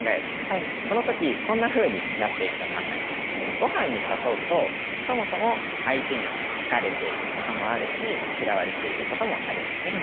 ごはんに誘うとそもそも相手に好かれていることもあるし嫌われていることもありますね。